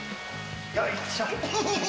よいしょ。